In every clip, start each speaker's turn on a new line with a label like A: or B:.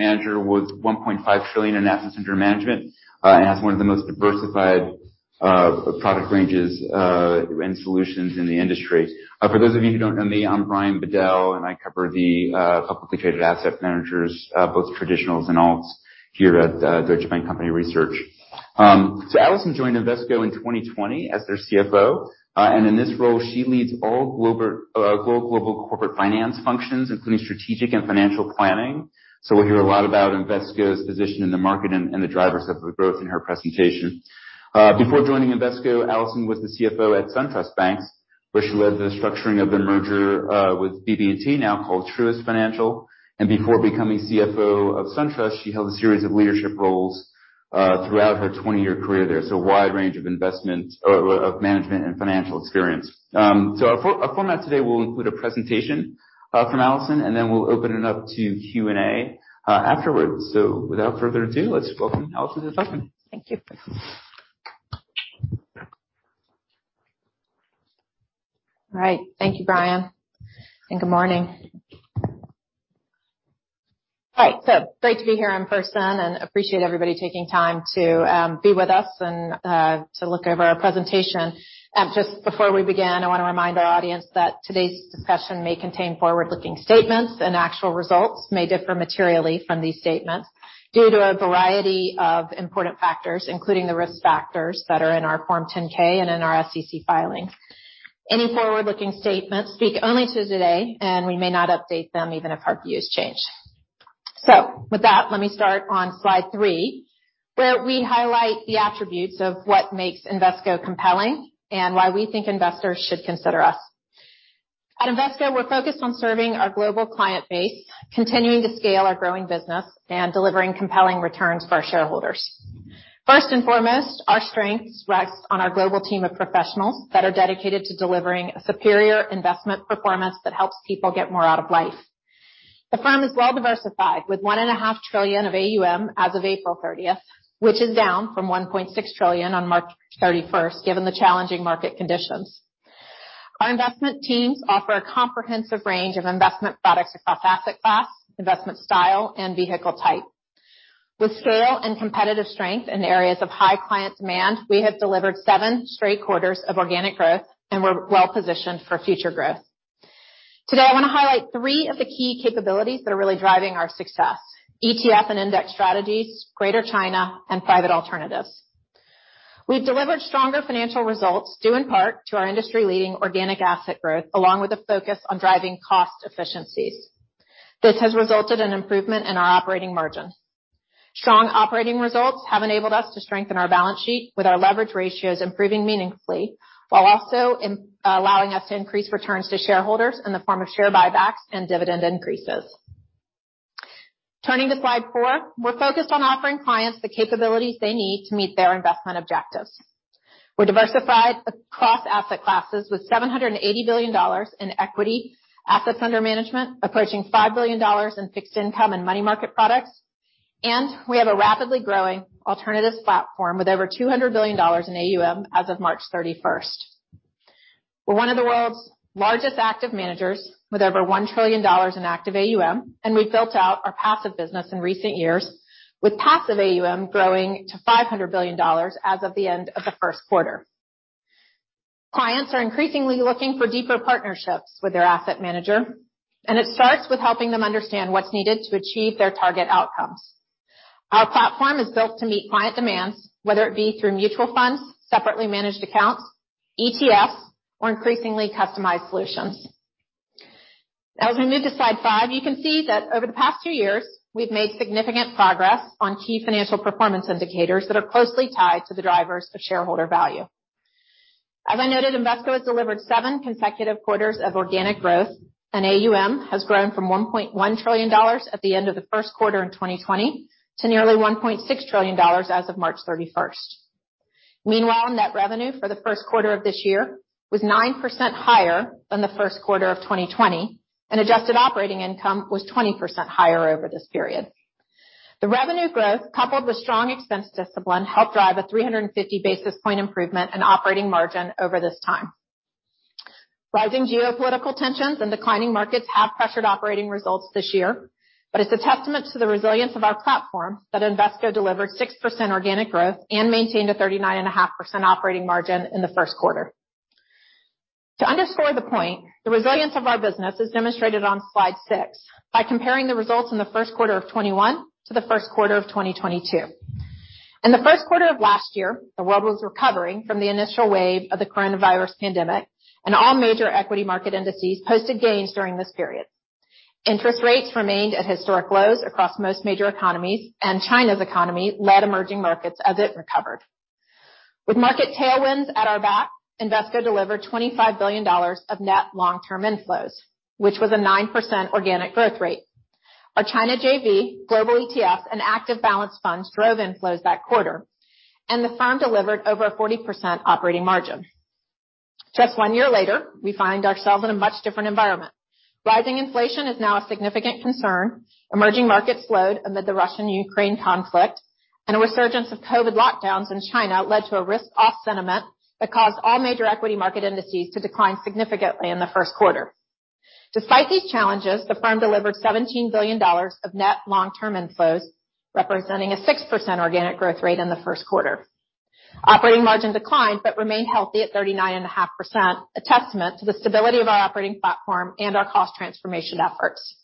A: Manager with $1.5 trillion in assets under management and has one of the most diversified product ranges and solutions in the industry. For those of you who don't know me, I'm Brian Bedell, and I cover the publicly traded asset managers, both traditionals and alts here at Deutsche Bank Company Research. Allison joined Invesco in 2020 as their CFO. In this role, she leads all global corporate finance functions, including strategic and financial planning. We'll hear a lot about Invesco's position in the market and the drivers of the growth in her presentation. Before joining Invesco, Allison was the CFO at SunTrust Banks, where she led the structuring of the merger with BB&T, now called Truist Financial. Before becoming CFO of SunTrust, she held a series of leadership roles throughout her 20-year career there. A wide range of management and financial experience. Our format today will include a presentation from Allison, and then we'll open it up to Q&A afterwards. Without further ado, let's welcome Allison to the session.
B: Thank you. All right. Thank you, Brian. Good morning. Great to be here in person and appreciate everybody taking time to be with us and to look over our presentation. Just before we begin, I wanna remind our audience that today's discussion may contain forward-looking statements and actual results may differ materially from these statements due to a variety of important factors, including the risk factors that are in our Form 10-K and in our SEC filings. Any forward-looking statements speak only to today, and we may not update them even if our views change. With that, let me start on slide 3, where we highlight the attributes of what makes Invesco compelling and why we think investors should consider us. At Invesco, we're focused on serving our global client base, continuing to scale our growing business, and delivering compelling returns for our shareholders. First and foremost, our strengths rest on our global team of professionals that are dedicated to delivering a superior investment performance that helps people get more out of life. The firm is well diversified, with $1.5 trillion of AUM as of April 30, which is down from $1.6 trillion on March 31, given the challenging market conditions. Our investment teams offer a comprehensive range of investment products across asset classes, investment style, and vehicle type. With scale and competitive strength in areas of high client demand, we have delivered 7 straight quarters of organic growth, and we're well-positioned for future growth. Today, I wanna highlight 3 of the key capabilities that are really driving our success. ETF and index strategies, Greater China, and private alternatives. We've delivered stronger financial results, due in part to our industry-leading organic asset growth, along with a focus on driving cost efficiencies. This has resulted in improvement in our operating margin. Strong operating results have enabled us to strengthen our balance sheet with our leverage ratios improving meaningfully, while also allowing us to increase returns to shareholders in the form of share buybacks and dividend increases. Turning to slide four. We're focused on offering clients the capabilities they need to meet their investment objectives. We're diversified across asset classes with $780 billion in equity assets under management approaching $5 billion in fixed income and money market products. We have a rapidly growing alternatives platform with over $200 billion in AUM as of March 31. We're one of the world's largest active managers with over $1 trillion in active AUM, and we've built out our passive business in recent years, with passive AUM growing to $500 billion as of the end of the Q1. Clients are increasingly looking for deeper partnerships with their asset manager, and it starts with helping them understand what's needed to achieve their target outcomes. Our platform is built to meet client demands, whether it be through mutual funds, separately managed accounts, ETFs, or increasingly customized solutions. As we move to slide 5, you can see that over the past two years, we've made significant progress on key financial performance indicators that are closely tied to the drivers of shareholder value. As I noted, Invesco has delivered 7 consecutive quarters of organic growth, and AUM has grown from $1.1 trillion at the end of the Q1 in 2020 to nearly $1.6 trillion as of March 31. Meanwhile, net revenue for the Q1 of this year was 9% higher than the Q1 of 2020, and adjusted operating income was 20% higher over this period. The revenue growth, coupled with strong expense discipline, helped drive a 350 basis point improvement in operating margin over this time. Rising geopolitical tensions and declining markets have pressured operating results this year, but it's a testament to the resilience of our platform that Invesco delivered 6% organic growth and maintained a 39.5% operating margin in the Q1. To underscore the point, the resilience of our business is demonstrated on slide 6 by comparing the results in the Q1 of 2021 to the Q1 of 2022. In the Q1 of last year, the world was recovering from the initial wave of the coronavirus pandemic, and all major equity market indices posted gains during this period. Interest rates remained at historic lows across most major economies, and China's economy led emerging markets as it recovered. With market tailwinds at our back, Invesco delivered $25 billion of net long-term inflows, which was a 9% organic growth rate. Our China JV, Global ETF, and Active Balanced Funds drove inflows that quarter, and the firm delivered over a 40% operating margin. Just one year later, we find ourselves in a much different environment. Rising inflation is now a significant concern. Emerging markets slowed amid the Russia-Ukraine conflict. A resurgence of COVID lockdowns in China led to a risk-off sentiment that caused all major equity market indices to decline significantly in the Q1. Despite these challenges, the firm delivered $17 billion of net long-term inflows, representing a 6% organic growth rate in the Q1. Operating margin declined, but remained healthy at 39.5%, a testament to the stability of our operating platform and our cost transformation efforts.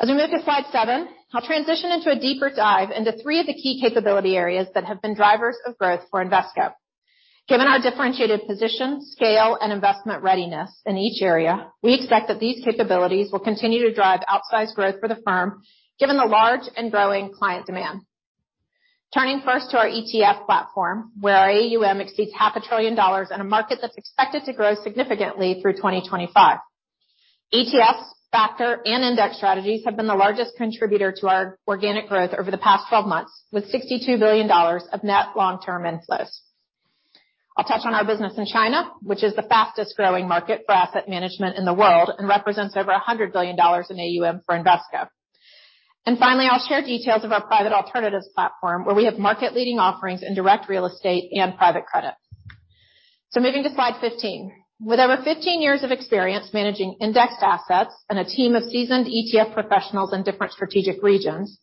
B: As we move to slide 7, I'll transition into a deeper dive into 3 of the key capability areas that have been drivers of growth for Invesco. Given our differentiated position, scale, and investment readiness in each area, we expect that these capabilities will continue to drive outsized growth for the firm, given the large and growing client demand. Turning first to our ETF platform, where our AUM exceeds half a trillion dollars in a market that's expected to grow significantly through 2025. ETFs factor and index strategies have been the largest contributor to our organic growth over the past 12 months, with $62 billion of net long-term inflows. I'll touch on our business in China, which is the fastest-growing market for asset management in the world and represents over $100 billion in AUM for Invesco. Finally, I'll share details of our private alternatives platform, where we have market-leading offerings in direct real estate and private credit. Moving to slide 15. With over 15 years of experience managing indexed assets and a team of seasoned ETF professionals in different strategic regions,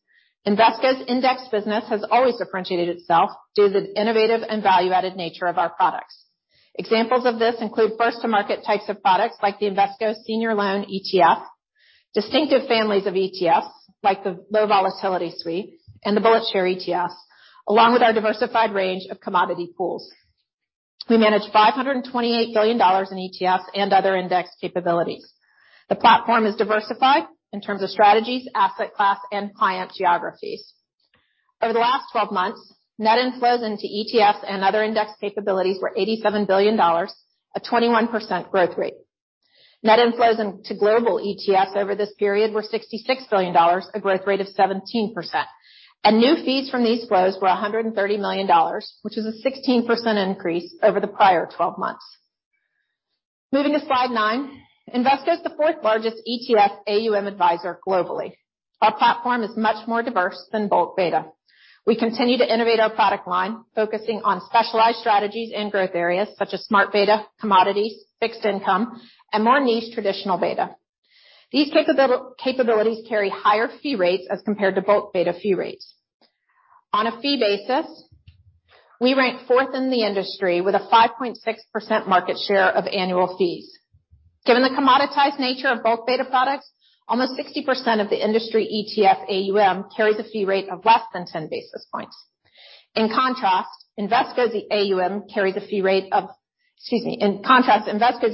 B: Invesco's index business has always differentiated itself due to the innovative and value-added nature of our products. Examples of this include first-to-market types of products like the Invesco Senior Loan ETF, distinctive families of ETFs like the Low Volatility Suite and the BulletShares ETF, along with our diversified range of commodity pools. We manage $528 billion in ETFs and other index capabilities. The platform is diversified in terms of strategies, asset class, and client geographies. Over the last 12 months, net inflows into ETFs and other index capabilities were $87 billion, a 21% growth rate. Net inflows into global ETFs over this period were $66 billion, a growth rate of 17%. New fees from these flows were $130 million, which is a 16% increase over the prior 12 months. Moving to slide 9. Invesco is the fourth-largest ETF AUM advisor globally. Our platform is much more diverse than bulk beta. We continue to innovate our product line, focusing on specialized strategies and growth areas such as smart beta, commodities, fixed income, and more niche traditional beta. These capabilities carry higher fee rates as compared to both beta fee rates. On a fee basis, we rank fourth in the industry with a 5.6% market share of annual fees. Given the commoditized nature of both beta products, almost 60% of the industry ETF AUM carries a fee rate of less than 10 basis points. In contrast, Invesco's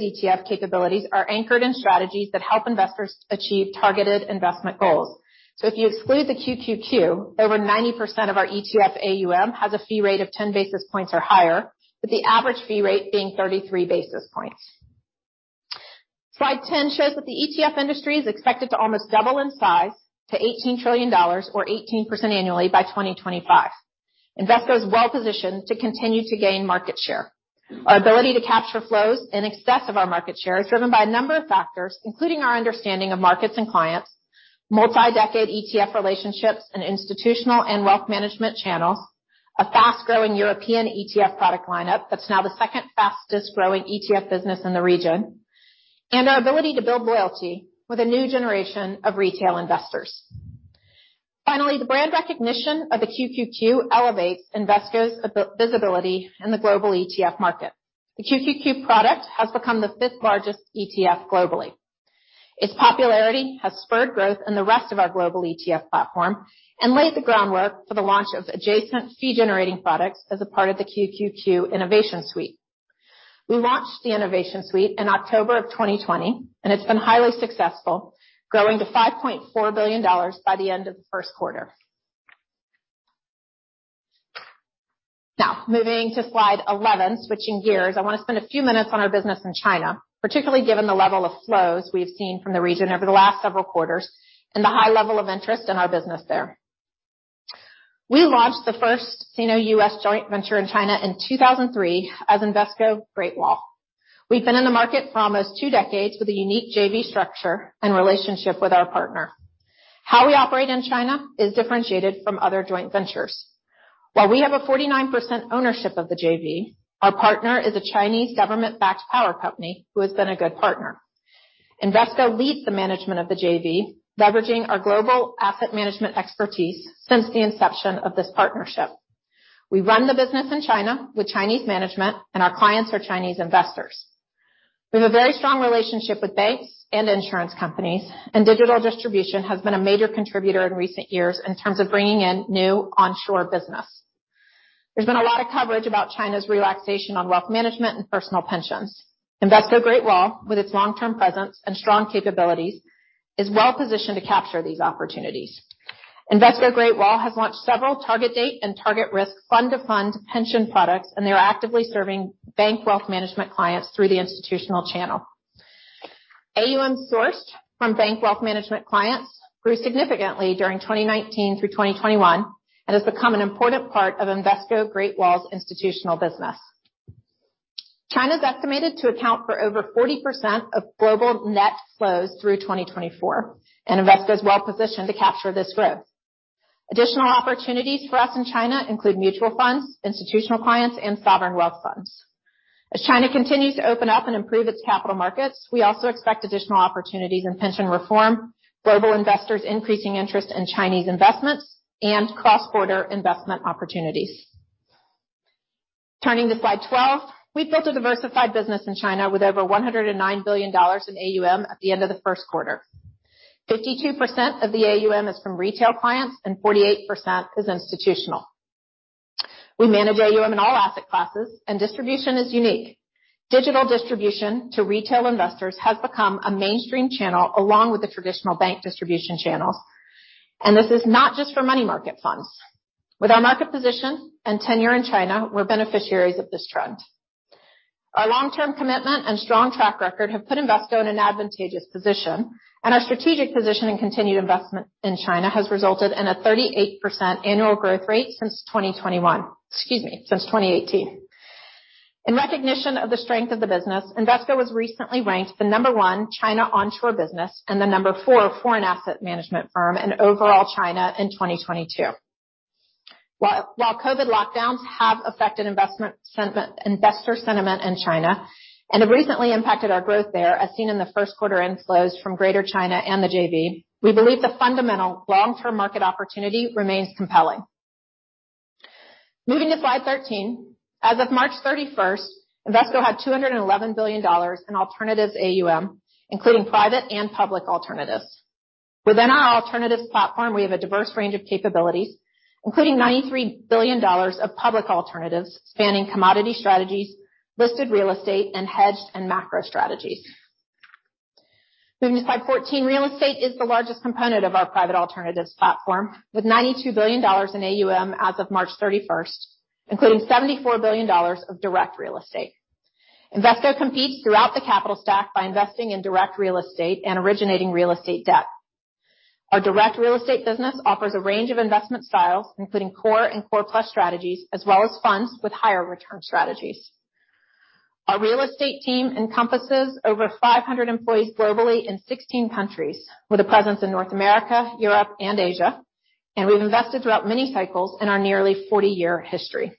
B: ETF capabilities are anchored in strategies that help investors achieve targeted investment goals. If you exclude the QQQ, over 90% of our ETF AUM has a fee rate of 10 basis points or higher, with the average fee rate being 33 basis points. Slide 10 shows that the ETF industry is expected to almost double in size to $18 trillion or 18% annually by 2025. Invesco is well positioned to continue to gain market share. Our ability to capture flows in excess of our market share is driven by a number of factors, including our understanding of markets and clients, multi-decade ETF relationships in institutional and wealth management channels, a fast-growing European ETF product lineup that's now the second fastest-growing ETF business in the region, and our ability to build loyalty with a new generation of retail investors. Finally, the brand recognition of the QQQ elevates Invesco's ability in the global ETF market. The QQQ product has become the fifth-largest ETF globally. Its popularity has spurred growth in the rest of our global ETF platform and laid the groundwork for the launch of adjacent fee-generating products as a part of the QQQ Innovation Suite. We launched the Innovation Suite in October of 2020, and it's been highly successful, growing to $5.4 billion by the end of the Q1. Now, moving to slide 11, switching gears, I wanna spend a few minutes on our business in China, particularly given the level of flows we've seen from the region over the last several quarters and the high level of interest in our business there. We launched the first Sino-US joint venture in China in 2003 as Invesco Great Wall. We've been in the market for almost two decades with a unique JV structure and relationship with our partner. How we operate in China is differentiated from other joint ventures. While we have a 49% ownership of the JV, our partner is a Chinese government-backed power company who has been a good partner. Invesco leads the management of the JV, leveraging our global asset management expertise since the inception of this partnership. We run the business in China with Chinese management, and our clients are Chinese investors. We have a very strong relationship with banks and insurance companies, and digital distribution has been a major contributor in recent years in terms of bringing in new onshore business. There's been a lot of coverage about China's relaxation on wealth management and personal pensions. Invesco Great Wall, with its long-term presence and strong capabilities, is well-positioned to capture these opportunities. Invesco Great Wall has launched several target date and target risk fund-to-fund pension products, and they are actively serving bank wealth management clients through the institutional channel. AUM sourced from bank wealth management clients grew significantly during 2019 through 2021 and has become an important part of Invesco Great Wall's institutional business. China's estimated to account for over 40% of global net flows through 2024, and Invesco is well-positioned to capture this growth. Additional opportunities for us in China include mutual funds, institutional clients, and sovereign wealth funds. As China continues to open up and improve its capital markets, we also expect additional opportunities in pension reform, global investors increasing interest in Chinese investments, and cross-border investment opportunities. Turning to slide 12, we've built a diversified business in China with over $109 billion in AUM at the end of the Q1. 52% of the AUM is from retail clients and 48% is institutional. We manage AUM in all asset classes and distribution is unique. Digital distribution to retail investors has become a mainstream channel along with the traditional bank distribution channels, and this is not just for money market funds. With our market position and tenure in China, we're beneficiaries of this trend. Our long-term commitment and strong track record have put Invesco in an advantageous position, and our strategic position and continued investment in China has resulted in a 38% annual growth rate since 2021. Excuse me, since 2018. In recognition of the strength of the business, Invesco was recently ranked the number one China onshore business and the number four foreign asset management firm in overall China in 2022. While COVID lockdowns have affected investor sentiment in China and have recently impacted our growth there, as seen in the Q1 inflows from Greater China and the JV, we believe the fundamental long-term market opportunity remains compelling. Moving to slide 13, as of March 31, Invesco had $211 billion in alternatives AUM, including private and public alternatives. Within our alternatives platform, we have a diverse range of capabilities, including $93 billion of public alternatives spanning commodity strategies, listed real estate, and hedged and macro strategies. Moving to slide 14. Real estate is the largest component of our private alternatives platform, with $92 billion in AUM as of March 31, including $74 billion of direct real estate. Invesco competes throughout the capital stack by investing in direct real estate and originating real estate debt. Our direct real estate business offers a range of investment styles, including core and core plus strategies, as well as funds with higher return strategies. Our real estate team encompasses over 500 employees globally in 16 countries, with a presence in North America, Europe and Asia. We've invested throughout many cycles in our nearly 40-year history.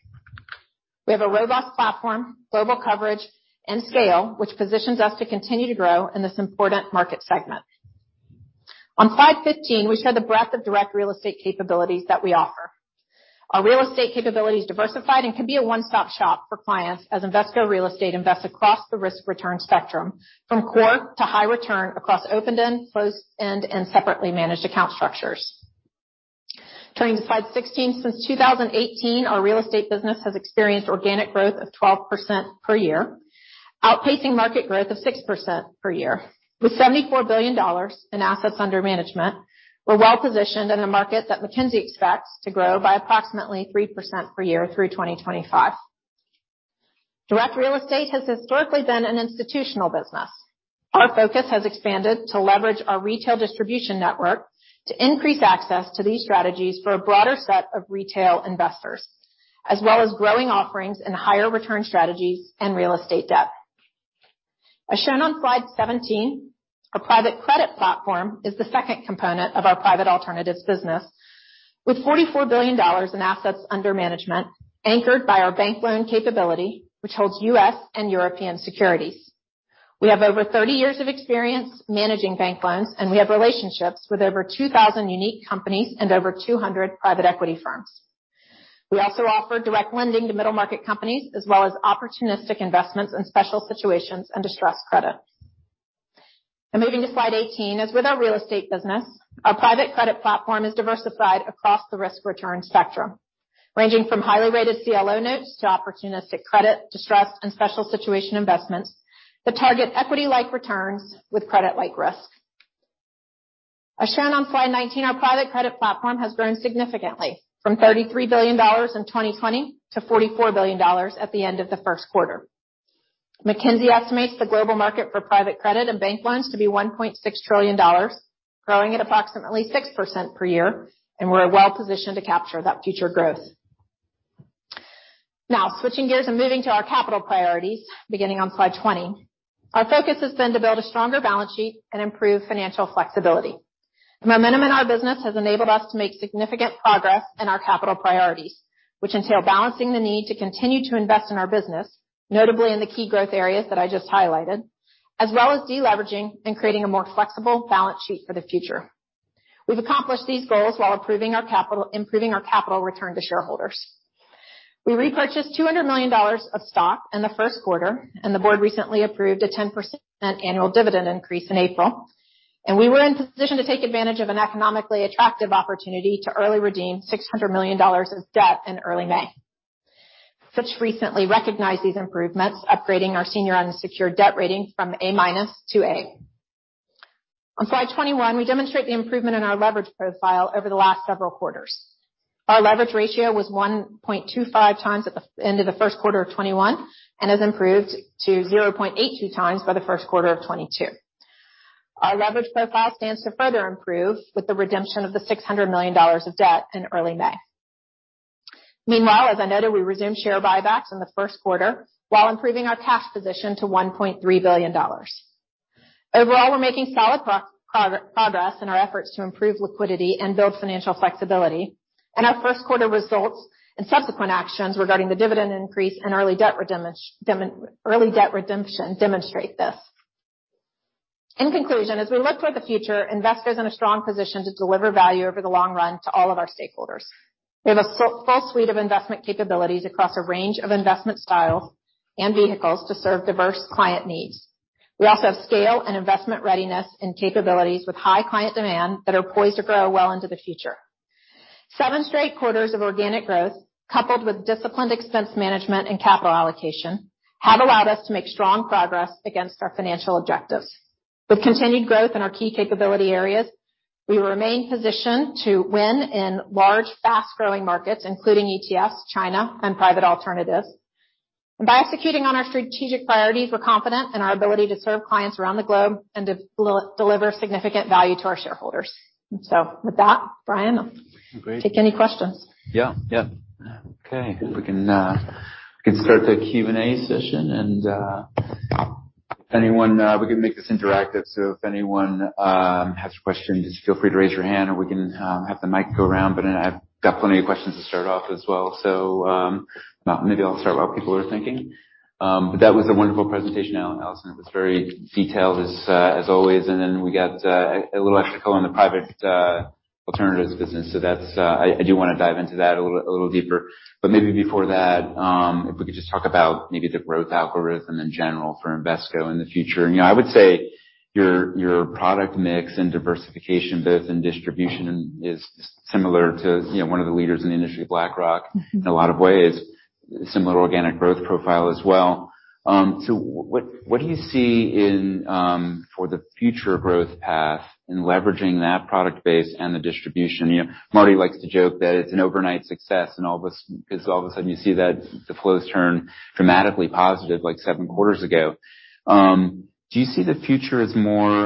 B: We have a robust platform, global coverage and scale, which positions us to continue to grow in this important market segment. On slide 15, we show the breadth of direct real estate capabilities that we offer. Our real estate capability is diversified and can be a one-stop shop for clients as Invesco Real Estate invests across the risk-return spectrum, from core to high return across open-end, closed-end, and separately managed account structures. Turning to slide 16. Since 2018, our real estate business has experienced organic growth of 12% per year, outpacing market growth of 6% per year. With $74 billion in assets under management, we're well-positioned in a market that McKinsey expects to grow by approximately 3% per year through 2025. Direct real estate has historically been an institutional business. Our focus has expanded to leverage our retail distribution network to increase access to these strategies for a broader set of retail investors, as well as growing offerings in higher return strategies and real estate debt. As shown on slide 17, our private credit platform is the second component of our private alternatives business with $44 billion in assets under management, anchored by our bank loan capability, which holds U.S. and European securities. We have over 30 years of experience managing bank loans, and we have relationships with over 2,000 unique companies and over 200 private equity firms. We also offer direct lending to middle market companies as well as opportunistic investments in special situations and distressed credits. Moving to slide 18. As with our real estate business, our private credit platform is diversified across the risk return spectrum, ranging from higher-rated CLO notes to opportunistic credit, distressed and special situation investments that target equity-like returns with credit-like risk. As shown on slide 19, our private credit platform has grown significantly from $33 billion in 2020 to $44 billion at the end of the Q1. McKinsey estimates the global market for private credit and bank loans to be $1.6 trillion, growing at approximately 6% per year, and we're well-positioned to capture that future growth. Now, switching gears and moving to our capital priorities, beginning on slide 20. Our focus has been to build a stronger balance sheet and improve financial flexibility. The momentum in our business has enabled us to make significant progress in our capital priorities, which entail balancing the need to continue to invest in our business, notably in the key growth areas that I just highlighted, as well as deleveraging and creating a more flexible balance sheet for the future. We've accomplished these goals while improving our capital return to shareholders. We repurchased $200 million of stock in the Q1, and the board recently approved a 10% annual dividend increase in April. We were in position to take advantage of an economically attractive opportunity to early redeem $600 million of debt in early May. Fitch recently recognized these improvements, upgrading our senior unsecured debt rating from A minus to A. On slide 21, we demonstrate the improvement in our leverage profile over the last several quarters. Our leverage ratio was 1.25 times at the end of the Q1 of 2021 and has improved to 0.82 times by the Q1 of 2022. Our leverage profile stands to further improve with the redemption of the $600 million of debt in early May. Meanwhile, as I noted, we resumed share buybacks in the Q1 while improving our cash position to $1.3 billion. Overall, we're making solid progress in our efforts to improve liquidity and build financial flexibility. Our Q1 results and subsequent actions regarding the dividend increase and early debt redemption demonstrate this. In conclusion, as we look toward the future, Invesco is in a strong position to deliver value over the long run to all of our stakeholders. We have a full suite of investment capabilities across a range of investment styles and vehicles to serve diverse client needs. We also have scale and investment readiness and capabilities with high client demand that are poised to grow well into the future. 7 straight quarters of organic growth, coupled with disciplined expense management and capital allocation, have allowed us to make strong progress against our financial objectives. With continued growth in our key capability areas, we remain positioned to win in large, fast-growing markets, including ETFs, China and private alternatives. By executing on our strategic priorities, we're confident in our ability to serve clients around the globe and to deliver significant value to our shareholders. With that, Brian.
A: Great.
B: Take any questions.
A: Yeah. Yeah. Okay. We can start the Q&A session and anyone. We can make this interactive, so if anyone has questions, just feel free to raise your hand or we can have the mic go around. I've got plenty of questions to start off as well. Maybe I'll start while people are thinking. That was a wonderful presentation, Allison. It was very detailed as always. We got a little extra color on the private alternatives business. That's. I do want to dive into that a little deeper. Maybe before that, if we could just talk about maybe the growth algorithm in general for Invesco in the future. You know, I would say your product mix and diversification both in distribution is similar to one of the leaders in the industry, BlackRock.
B: Mm-hmm.
A: In a lot of ways. Similar organic growth profile as well. What do you see for the future growth path in leveraging that product base and the distribution? You know, Marty likes to joke that it's an overnight success because all of a sudden you see that the flows turn dramatically positive like Q7 ago. Do you see the future as more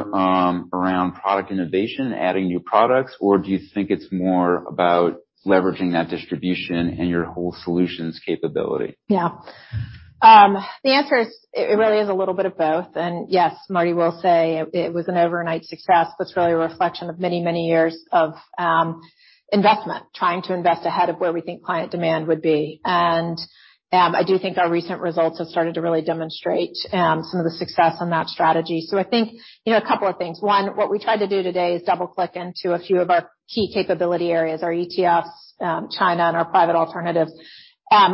A: around product innovation, adding new products, or do you think it's more about leveraging that distribution and your whole solutions capability?
B: Yeah. The answer is it really is a little bit of both. Yes, Marty will say it was an overnight success. That's really a reflection of many, many years of investment, trying to invest ahead of where we think client demand would be. I do think our recent results have started to really demonstrate some of the success on that strategy. I thinka couple of things. One, what we tried to do today is double-click into a few of our key capability areas, our ETFs, China and our private alternatives.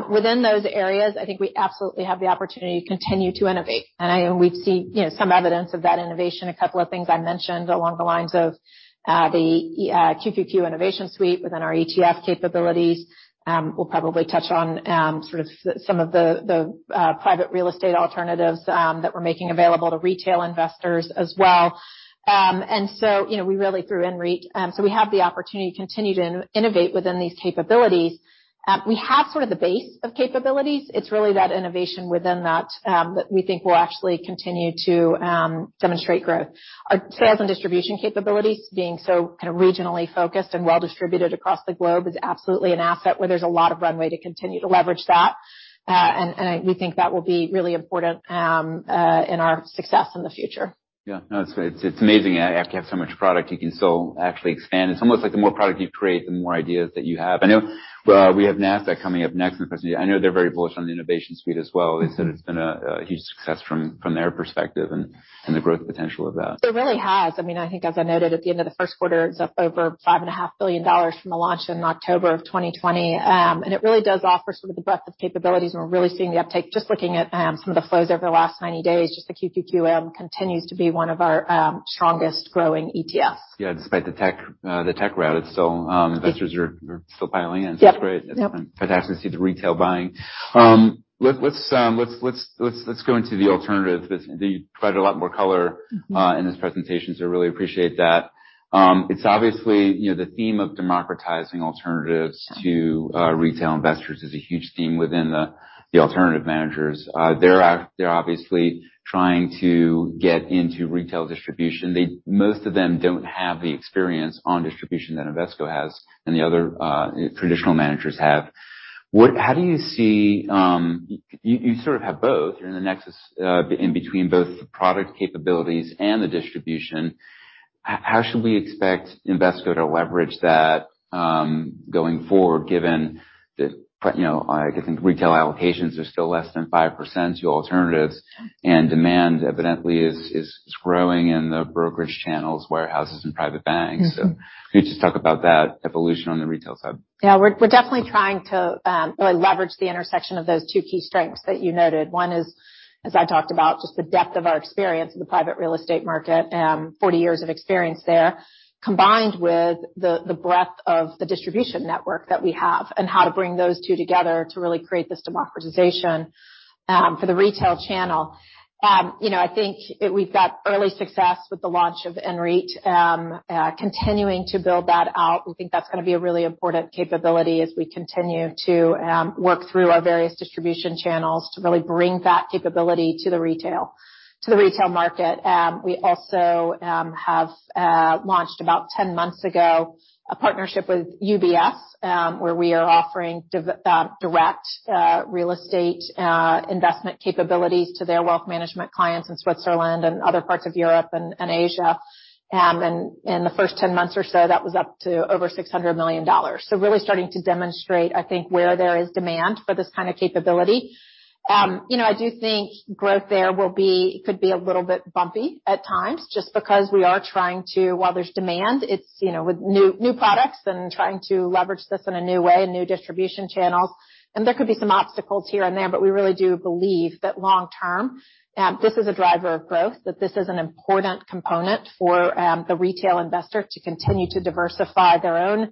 B: Within those areas, I think we absolutely have the opportunity to continue to innovate. We see some evidence of that innovation. A couple of things I mentioned along the lines of the QQQ Innovation Suite within our ETF capabilities. We'll probably touch on sort of some of the private real estate alternatives that we're making available to retail investors as well. You know, we really do outreach. We have the opportunity to continue to innovate within these capabilities. We have sort of the base of capabilities. It's really that innovation within that that we think will actually continue to demonstrate growth. Our sales and distribution capabilities being so kinda regionally focused and well-distributed across the globe is absolutely an asset where there's a lot of runway to continue to leverage that. We think that will be really important in our success in the future.
A: Yeah. No, it's amazing. After you have so much product, you can still actually expand. It's almost like the more product you create, the more ideas that you have. I know, we have NASDAQ coming up next in the presentation. I know they're very bullish on the innovation suite as well.
B: Mm-hmm.
A: They said it's been a huge success from their perspective and the growth potential of that.
B: It really has. I mean, I think as I noted at the end of the Q1, it's up over $5.5 billion from the launch in October of 2020. It really does offer sort of the breadth of capabilities, and we're really seeing the uptake. Just looking at some of the flows over the last 90 days, just the QQQM continues to be one of our strongest growing ETFs.
A: Yeah, despite the tech rout, it's still
B: Yes.
A: Investors are still piling in.
B: Yep.
A: That's great.
B: Yep.
A: Fantastic to see the retail buying. Let's go into the alternative. You provided a lot more color-
B: Mm-hmm.
A: In this presentation, really appreciate that. It's obviously the theme of democratizing alternatives to retail investors is a huge theme within the alternative managers. They're obviously trying to get into retail distribution. Most of them don't have the experience on distribution that Invesco has and the other traditional managers have. How do you see. You sort of have both. You're in the nexus in between both the product capabilities and the distribution. How should we expect Invesco to leverage that going forward, given that like, I think retail allocations are still less than 5% to alternatives, and demand evidently is growing in the brokerage channels, wirehouses and private banks.
B: Mm-hmm.
A: Can you just talk about that evolution on the retail side?
B: Yeah. We're definitely trying to really leverage the intersection of those two key strengths that you noted. One is, as I talked about, just the depth of our experience in the private real estate market, 40 years of experience there, combined with the breadth of the distribution network that we have and how to bring those two together to really create this democratization for the retail channel. You know, I think we've got early success with the launch of INREIT, continuing to build that out. We think that's gonna be a really important capability as we continue to work through our various distribution channels to really bring that capability to the retail market. We also have launched about 10 months ago a partnership with UBS, where we are offering direct real estate investment capabilities to their wealth management clients in Switzerland and other parts of Europe and Asia. In the first 10 months or so, that was up to over $600 million. Really starting to demonstrate, I think, where there is demand for this kind of capability. You know, I do think growth there will be, could be a little bit bumpy at times just because we are trying to, while there's demand, it's with new products and trying to leverage this in a new way and new distribution channels. There could be some obstacles here and there, but we really do believe that long-term, this is a driver of growth, that this is an important component for the retail investor to continue to diversify their own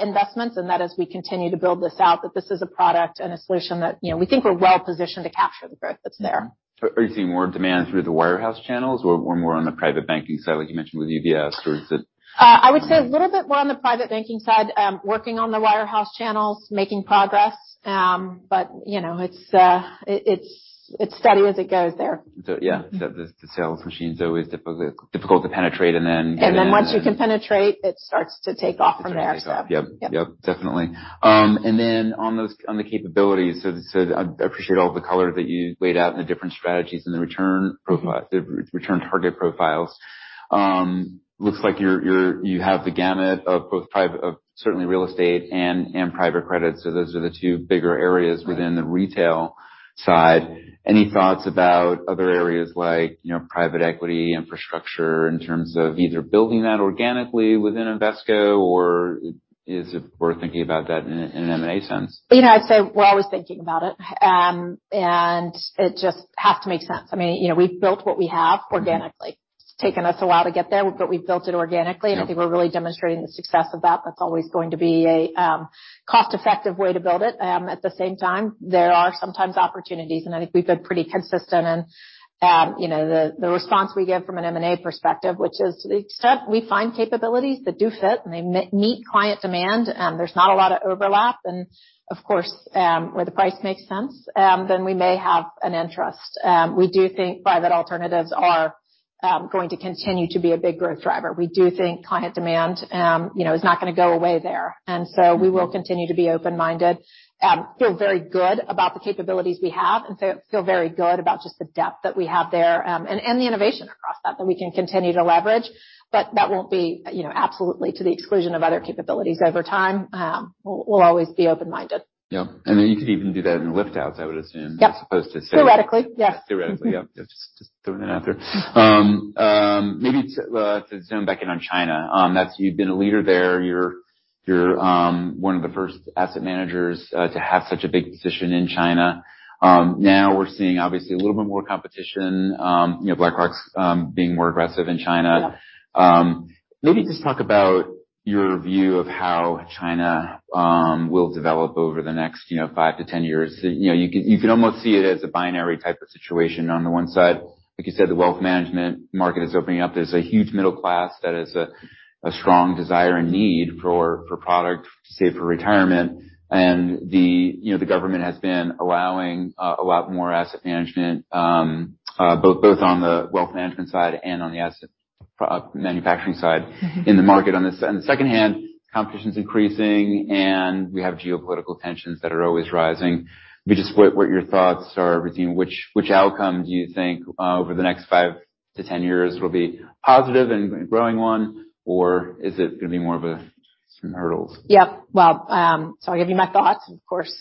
B: investments. That as we continue to build this out, that this is a product and a solution that we think we're well-positioned to capture the growth that's there.
A: Are you seeing more demand through the wirehouse channels or more on the private banking side, like you mentioned with UBS, or is it?
B: I would say a little bit more on the private banking side. Working on the wirehouse channels, making progress. You know, it's steady as it goes there.
A: The sales machine's always difficult to penetrate, and then.
B: Once you can penetrate, it starts to take off from there.
A: Yep. Definitely. On those, on the capabilities, so I appreciate all the color that you laid out in the different strategies and the return profiles, the return target profiles. Looks like you have the gamut of, certainly, real estate and private credit. Those are the two bigger areas within the retail side. Any thoughts about other areas like private equity, infrastructure in terms of either building that organically within Invesco or is it worth thinking about that in an M&A sense?
B: You know, I'd say we're always thinking about it. It just has to make sense. I mean we've built what we have organically. It's taken us a while to get there, but we've built it organically, and I think we're really demonstrating the success of that. That's always going to be a cost-effective way to build it. At the same time, there are sometimes opportunities, and I think we've been pretty consistent in the response we give from an M&A perspective, which is to the extent we find capabilities that do fit and they meet client demand, there's not a lot of overlap. Of course, where the price makes sense, then we may have an interest. We do think private alternatives are going to continue to be a big growth driver. We do think client demand is not gonna go away there. We will continue to be open-minded. Feel very good about the capabilities we have, and feel very good about just the depth that we have there, and the innovation across that we can continue to leverage. That won't be absolutely to the exclusion of other capabilities over time. We'll always be open-minded.
A: Yeah. I mean, you could even do that in lift outs, I would assume.
B: Yep.
A: As opposed to-
B: Theoretically, yes.
A: Theoretically, yeah. Just throwing it out there. Maybe to zoom back in on China, that's you've been a leader there. You're one of the first asset managers to have such a big position in China. Now we're seeing obviously a little bit more competition BlackRock's being more aggressive in China.
B: Yeah.
A: Maybe just talk about your view of how China will develop over the next five to ten years. You know, you can almost see it as a binary type of situation. On the one side, like you said, the wealth management market is opening up. There's a huge middle class that has a strong desire and need for product to save for retirement. The the government has been allowing a lot more asset management, both on the wealth management side and on the asset manufacturing side.
B: Mm-hmm.
A: In the market. On the other hand, competition's increasing, and we have geopolitical tensions that are always rising. Maybe just what your thoughts are, Allison Dukes. Which outcome do you think over the next five-ten years will be positive and growing one, or is it gonna be more of some hurdles?
B: Yep. Well, I'll give you my thoughts, of course.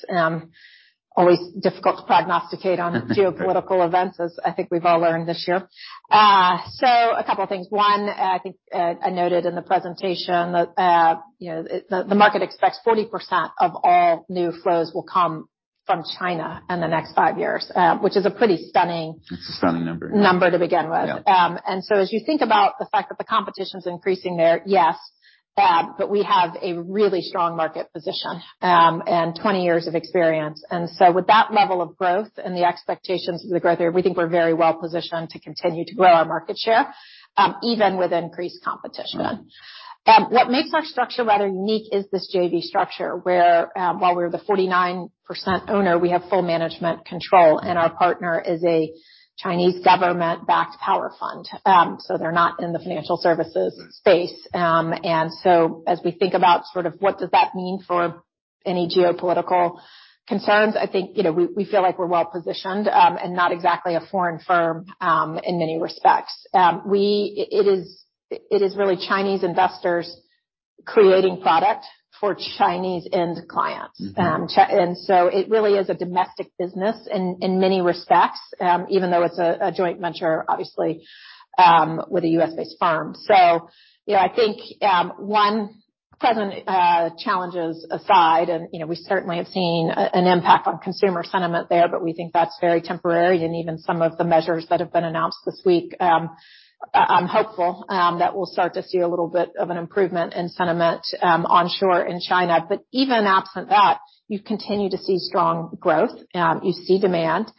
B: Always difficult to prognosticate on geopolitical events as I think we've all learned this year. A couple of things. One, I think I noted in the presentation that the market expects 40% of all new flows will come from China in the next five years, which is a pretty stunning.
A: It's a stunning number.
B: Number to begin with.
A: Yeah.
B: As you think about the fact that the competition's increasing there, yes. We have a really strong market position and 20 years of experience. With that level of growth and the expectations of the growth there, we think we're very well positioned to continue to grow our market share, even with increased competition. What makes our structure rather unique is this JV structure, where while we're the 49% owner, we have full management control, and our partner is a Chinese government-backed power fund. They're not in the financial services space. As we think about sort of what does that mean for any geopolitical concerns, I think we feel like we're well-positioned and not exactly a foreign firm in many respects. It is really Chinese investors creating product for Chinese end clients. It really is a domestic business in many respects, even though it's a joint venture, obviously, with a U.S.-based firm. You know, I think present challenges aside, and you know, we certainly have seen an impact on consumer sentiment there, but we think that's very temporary, and even some of the measures that have been announced this week. I'm hopeful that we'll start to see a little bit of an improvement in sentiment onshore in China. Even absent that, you continue to see strong growth, you see demand,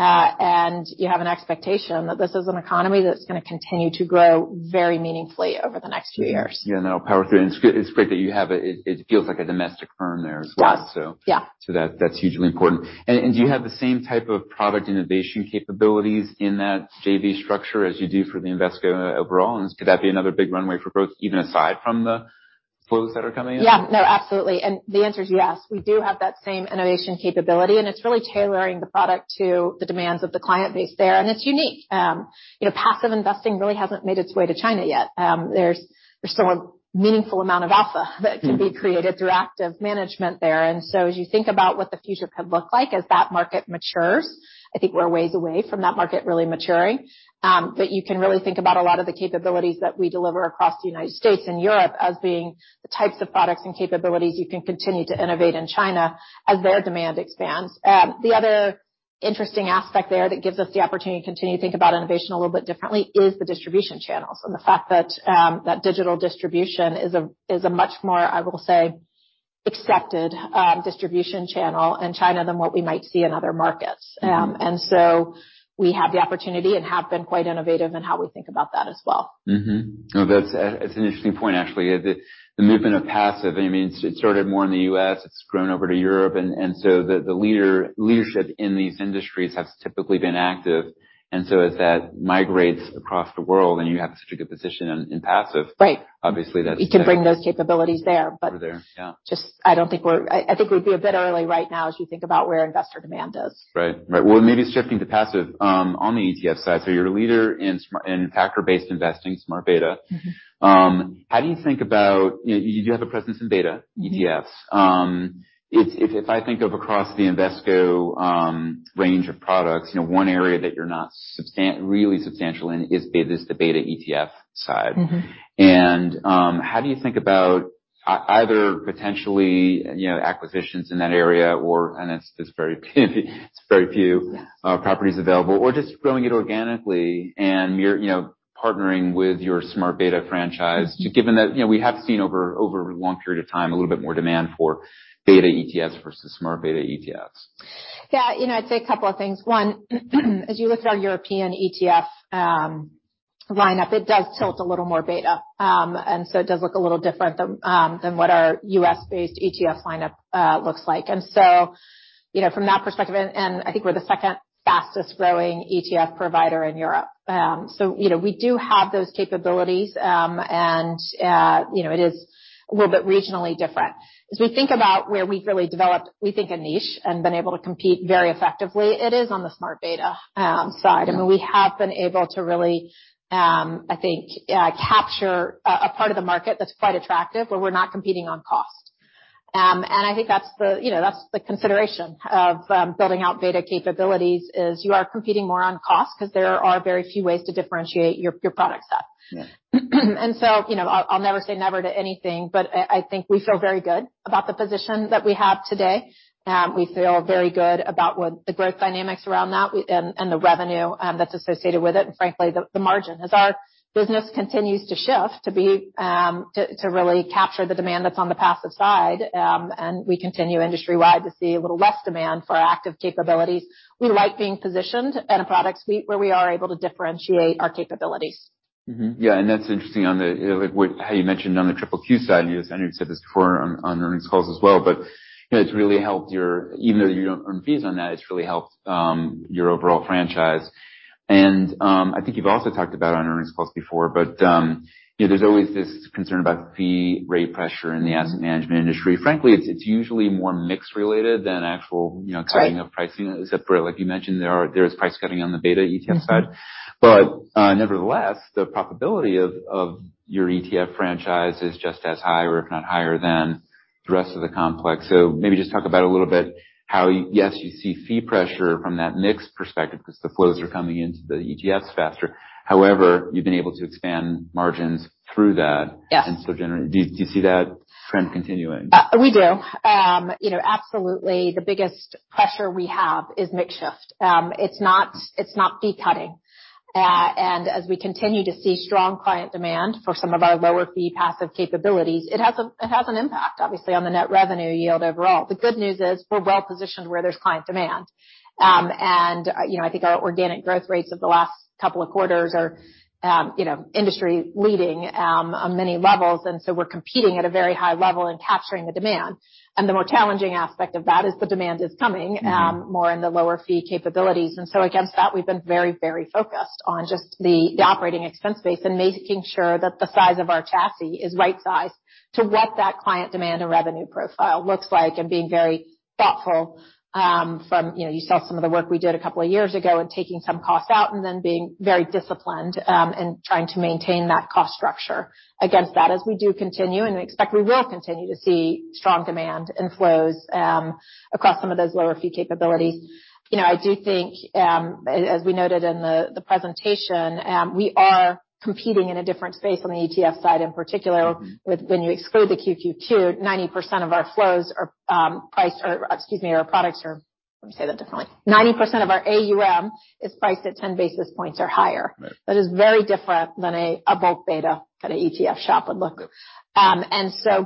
B: and you have an expectation that this is an economy that's gonna continue to grow very meaningfully over the next few years.
A: Yeah, no power through. It's great that you have it. It feels like a domestic firm there as well.
B: It does, yeah.
A: That's hugely important. Do you have the same type of product innovation capabilities in that JV structure as you do for the Invesco overall? Could that be another big runway for growth, even aside from the flows that are coming in?
B: Yeah, no, absolutely. The answer is yes. We do have that same innovation capability, and it's really tailoring the product to the demands of the client base there. It's unique. You know, passive investing really hasn't made its way to China yet. There's still a meaningful amount of alpha that can be created through active management there. As you think about what the future could look like as that market matures, I think we're a ways away from that market really maturing. You can really think about a lot of the capabilities that we deliver across the United States and Europe as being the types of products and capabilities you can continue to innovate in China as their demand expands. The other interesting aspect there that gives us the opportunity to continue to think about innovation a little bit differently is the distribution channels and the fact that that digital distribution is a is a much more, I will say, accepted distribution channel in China than what we might see in other markets. We have the opportunity and have been quite innovative in how we think about that as well.
A: No, that's, it's an interesting point actually. The movement of passive, I mean, it started more in the U.S., it's grown over to Europe, and so the leadership in these industries has typically been active. As that migrates across the world and you have such a good position in passive-
B: Right.
A: Obviously, that's-
B: You can bring those capabilities there, but.
A: Over there, yeah.
B: I think we'd be a bit early right now as you think about where investor demand is.
A: Right. Well, maybe shifting to passive, on the ETF side. You're a leader in factor-based investing, smart beta.
B: Mm-hmm.
A: How do you think about. You do have a presence in beta ETFs. If I think of across the Invesco range of products one area that you're not really substantial in is the beta ETF side.
B: Mm-hmm.
A: How do you think about either potentially acquisitions in that area or, and it's very few properties available or just growing it organically and you're partnering with your smart beta franchise, given that we have seen over a long period of time a little bit more demand for beta ETFs versus smart beta ETFs?
B: Yeah. You know, I'd say a couple of things. One, as you look at our European ETF lineup, it does tilt a little more beta. It does look a little different than what our U.S.-based ETF lineup looks like. You know, from that perspective, and I think we're the second fastest-growing ETF provider in Europe. You know, we do have those capabilities, and you know, it is a little bit regionally different. As we think about where we've really developed a niche and been able to compete very effectively, it is on the smart beta side. I mean, we have been able to really, I think, capture a part of the market that's quite attractive where we're not competing on cost. I think that's the that's the consideration of building out beta capabilities, is you are competing more on cost because there are very few ways to differentiate your product set.
A: Yeah.
B: You know, I'll never say never to anything, but I think we feel very good about the position that we have today. We feel very good about what the growth dynamics around that and the revenue that's associated with it, and frankly, the margin. As our business continues to shift to be to really capture the demand that's on the passive side, and we continue industry-wide to see a little less demand for our active capabilities. We like being positioned at a product suite where we are able to differentiate our capabilities.
A: Mm-hmm. Yeah, that's interesting on the like what, how you mentioned on the QQQ side, and you, I know you've said this before on earnings calls as well, but you know, it's really helped your. Even though you don't earn fees on that, it's really helped your overall franchise. I think you've also talked about on earnings calls before, but you know, there's always this concern about fee rate pressure in the asset management industry. Frankly, it's usually more mix related than actual, you know.
B: Right.
A: Cutting of pricing, except for, like you mentioned, there is price cutting on the beta ETF side.
B: Mm-hmm.
A: Nevertheless, the profitability of your ETF franchise is just as high or if not higher than the rest of the complex. Maybe just talk about a little bit how yes, you see fee pressure from that mix perspective 'cause the flows are coming into the ETFs faster. However, you've been able to expand margins through that.
B: Yes.
A: Do you see that trend continuing?
B: We do. You know, absolutely the biggest pressure we have is mix shift. It's not fee cutting. As we continue to see strong client demand for some of our lower fee passive capabilities, it has an impact, obviously, on the net revenue yield overall. The good news is we're well positioned where there's client demand. You know, I think our organic growth rates of the last couple of quarters are industry leading, on many levels. We're competing at a very high level in capturing the demand. The more challenging aspect of that is the demand is coming, more in the lower fee capabilities. Against that, we've been very, very focused on just the operating expense base and making sure that the size of our chassis is right sized to what that client demand and revenue profile looks like, and being very thoughtful. You know, you saw some of the work we did a couple of years ago in taking some costs out and then being very disciplined in trying to maintain that cost structure against that as we do continue, and we expect we will continue to see strong demand and flows across some of those lower fee capabilities. You know, I do think, as we noted in the presentation, we are competing in a different space on the ETF side, in particular, with when you exclude the QQQ, 90% of our flows are priced or, excuse me, our products are... Let me say that differently. 90% of our AUM is priced at 10 basis points or higher.
A: Right.
B: That is very different than a bulk beta kind of ETF shop would look.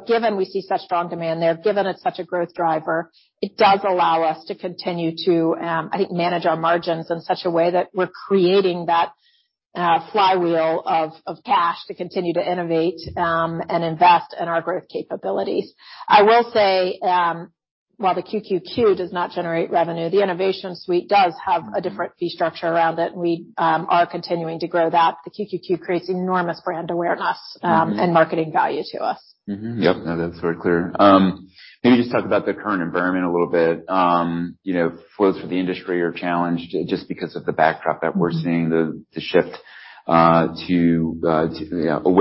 B: Given we see such strong demand there, given it's such a growth driver, it does allow us to continue to I think manage our margins in such a way that we're creating that flywheel of cash to continue to innovate and invest in our growth capabilities. I will say while the QQQ does not generate revenue, the Innovation Suite does have a different fee structure around it, and we are continuing to grow that. The QQQ creates enormous brand awareness.
A: Mm-hmm.
B: Marketing value to us.
A: Mm-hmm. Yep. No, that's very clear. Maybe just talk about the current environment a little bit. You know, flows for the industry are challenged just because of the backdrop that we're seeing, the shift away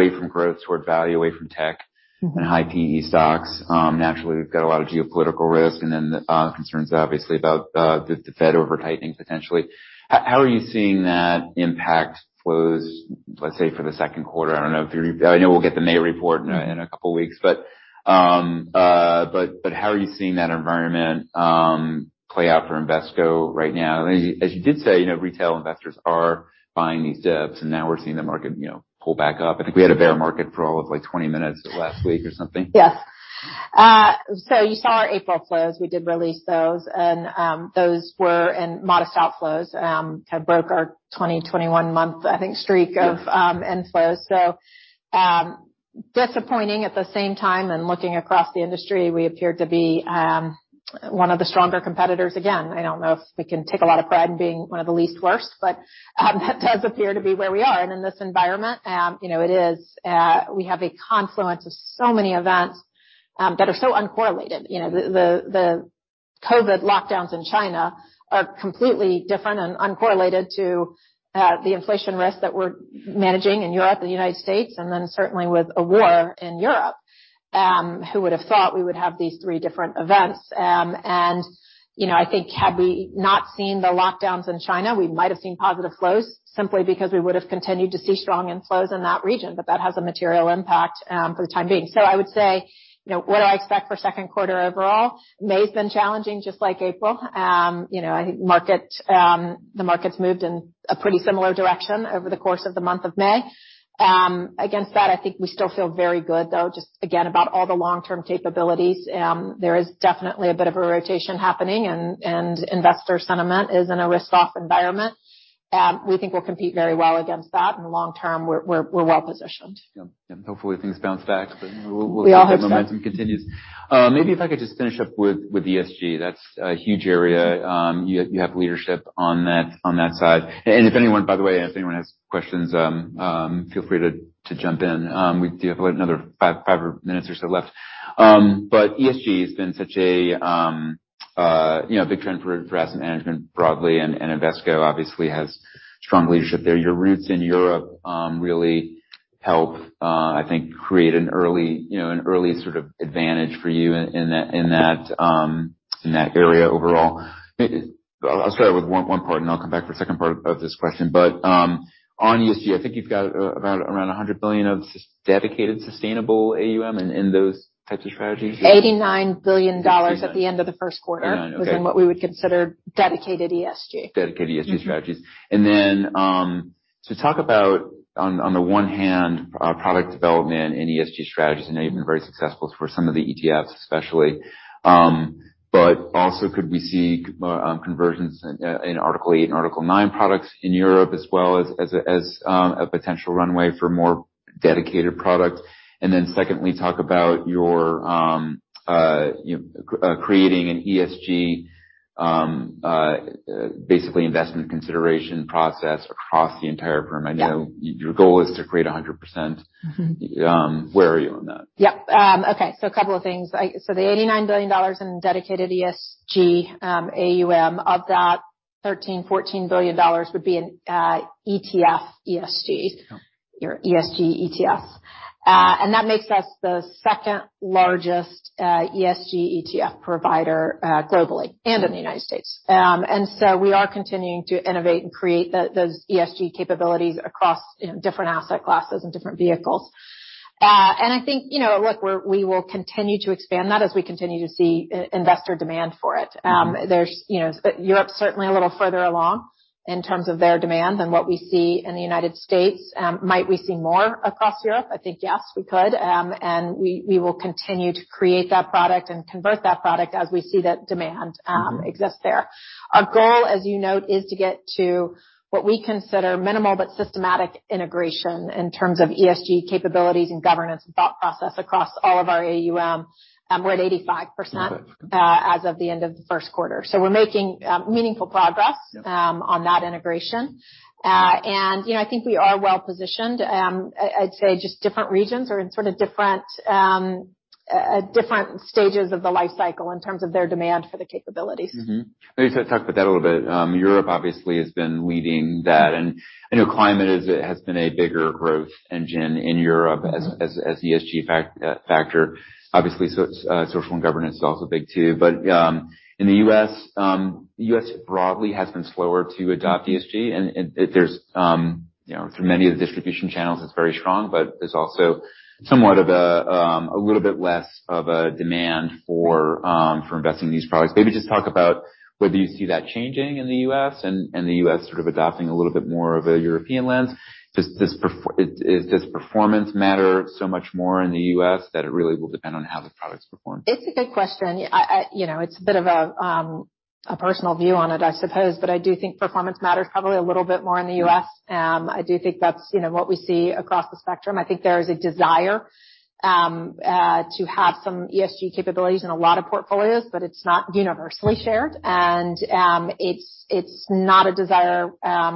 A: from growth toward value, away from tech.
B: Mm-hmm.
A: High PE stocks. Naturally, we've got a lot of geopolitical risk and then concerns obviously about the Fed overtightening potentially. How are you seeing that impact flows, let's say, for the Q2? I don't know if you. I know we'll get the May report.
B: Yeah.
A: In a couple of weeks. How are you seeing that environment play out for Invesco right now? As you did say retail investors are buying these dips, and now we're seeing the market pull back up. I think we had a bear market for all of, like, 20 minutes last week or something.
B: Yes. So you saw our April flows. We did release those. Those were in modest outflows, kind of broke our 21-month, I think, streak of inflows. Disappointing. At the same time, looking across the industry, we appeared to be one of the stronger competitors. Again, I don't know if we can take a lot of pride in being one of the least worst, but that does appear to be where we are. In this environment it is we have a confluence of so many events that are so uncorrelated. You know, the COVID lockdowns in China are completely different and uncorrelated to the inflation risk that we're managing in Europe and United States, and then certainly with a war in Europe. Who would have thought we would have these three different events? You know, I think had we not seen the lockdowns in China, we might have seen positive flows simply because we would have continued to see strong inflows in that region. But that has a material impact, for the time being. I would say what do I expect for Q2 overall? May has been challenging, just like April. You know, I think the market's moved in a pretty similar direction over the course of the month of May. Against that, I think we still feel very good, though, just again, about all the long-term capabilities. There is definitely a bit of a rotation happening and investor sentiment is in a risk-off environment. We think we'll compete very well against that, and long term, we're well-positioned.
A: Yep. Hopefully things bounce back.
B: We all hope so.
A: See if that momentum continues. Maybe if I could just finish up with ESG. That's a huge area. You have leadership on that side. By the way, if anyone has questions, feel free to jump in. We do have, what, another five minutes or so left. ESG has been such a you know big trend for asset management broadly, and Invesco obviously has strong leadership there. Your roots in Europe really help I think create an early you know an early sort of advantage for you in that area overall. I'll start with one part and I'll come back for the second part of this question. on ESG, I think you've got about, around $100 billion of dedicated sustainable AUM in those types of strategies.
B: $89 billion at the end of the Q1.
A: 89. Okay.
B: Was in what we would consider dedicated ESG.
A: Dedicated ESG strategies.
B: Mm-hmm.
A: Talk about, on the one hand, product development and ESG strategies. I know you've been very successful for some of the ETFs especially. Also, could we see conversions in Article 8 and Article 9 products in Europe as well as a potential runway for more dedicated products? Second, talk about your you know creating an ESG basically investment consideration process across the entire firm.
B: Yeah.
A: I know your goal is to create 100%.
B: Mm-hmm.
A: Where are you on that?
B: Okay, a couple of things. The $89 billion in dedicated ESG AUM, of that $13-$14 billion would be in ETF ESG.
A: Yep.
B: Your ESG ETFs. That makes us the second-largest ESG ETF provider globally and in the United States. We are continuing to innovate and create those ESG capabilities across different asset classes and different vehicles. I think look, we will continue to expand that as we continue to see investor demand for it.
A: Mm-hmm.
B: There's you know Europe's certainly a little further along in terms of their demand than what we see in the United States. Might we see more across Europe? I think, yes, we could. We will continue to create that product and convert that product as we see that demand.
A: Mm-hmm.
B: Our goal, as you note, is to get to what we consider minimal but systematic integration in terms of ESG capabilities and governance thought process across all of our AUM. We're at 85%.
A: Okay.
B: As of the end of the Q1. We're making meaningful progress.
A: Yep.
B: On that integration. You know, I think we are well-positioned. I'd say just different regions are in sort of different stages of the life cycle in terms of their demand for the capabilities.
A: Maybe talk about that a little bit. Europe obviously has been leading that, and I know climate has been a bigger growth engine in Europe.
B: Mm-hmm.
A: ESG factor, obviously, so it's social and governance is also big too. In the U.S., the U.S. broadly has been slower to adopt ESG, and there's through many of the distribution channels it's very strong, but there's also somewhat of a little bit less of a demand for investing in these products. Maybe just talk about whether you see that changing in the U.S. and the U.S. sort of adopting a little bit more of a European lens. Does performance matter so much more in the U.S. that it really will depend on how the products perform?
B: It's a good question. You know, it's a bit of a personal view on it, I suppose, but I do think performance matters probably a little bit more in the U.S. I do think that's what we see across the spectrum. I think there is a desire to have some ESG capabilities in a lot of portfolios, but it's not universally shared. It's not a desire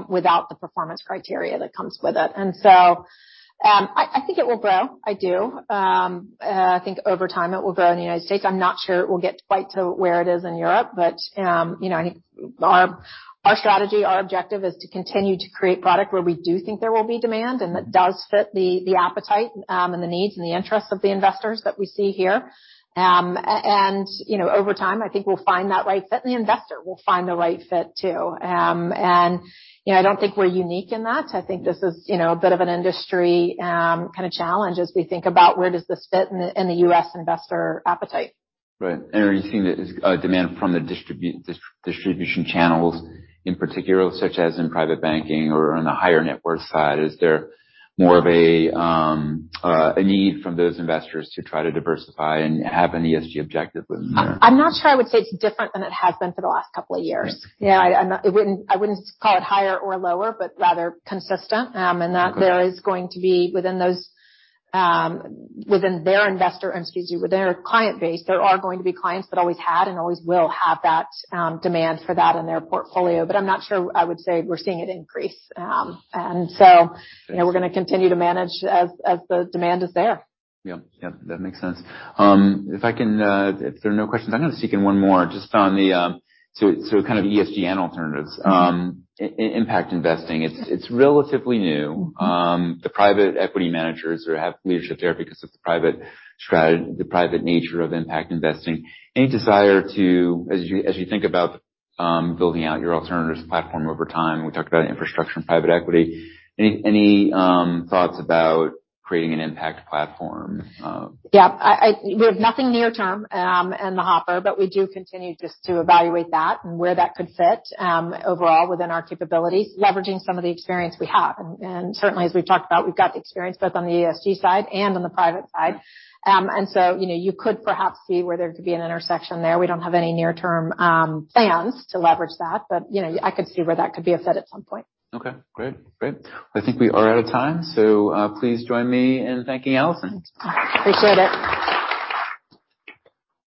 B: without the performance criteria that comes with it. I think it will grow, I do. I think over time it will grow in the United States. I'm not sure it will get quite to where it is in Europe. You know, I think our strategy, our objective is to continue to create product where we do think there will be demand and that does fit the appetite, and the needs and the interests of the investors that we see here. You know, over time, I think we'll find that right fit, and the investor will find the right fit too. You know, I don't think we're unique in that. I think this is a bit of an industry kind of challenge as we think about where does this fit in the U.S. investor appetite.
A: Right. Are you seeing this demand from the distribution channels in particular, such as in private banking or on the higher net worth side? Is there more of a need from those investors to try to diversify and have an ESG objective within there?
B: I'm not sure I would say it's different than it has been for the last couple of years.
A: Sure.
B: Yeah. I wouldn't call it higher or lower, but rather consistent.
A: Okay.
B: That there is going to be within those, within their client base, there are going to be clients that always had and always will have that demand for that in their portfolio. I'm not sure I would say we're seeing it increase.
A: Sure.
B: You know, we're gonna continue to manage as the demand is there.
A: Yeah. That makes sense. If I can, if there are no questions, I'm gonna sneak in one more just on the so kind of ESG and alternatives.
B: Mm-hmm.
A: Impact investing, it's relatively new.
B: Mm-hmm.
A: The private equity managers have leadership there because of the private nature of impact investing. Any desire to, as you think about building out your alternatives platform over time? We talked about infrastructure and private equity. Any thoughts about creating an impact platform?
B: Yeah. We have nothing near term in the hopper, but we do continue just to evaluate that and where that could fit overall within our capabilities, leveraging some of the experience we have. Certainly as we've talked about, we've got the experience both on the ESG side and on the private side. You know, you could perhaps see where there could be an intersection there. We don't have any near-term plans to leverage that, but you know, I could see where that could be a fit at some point.
A: Okay, great. I think we are out of time, so, please join me in thanking Allison.
B: Thanks. Appreciate it.